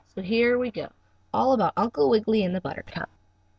So here we go, all about Uncle Wiggily and the buttercup.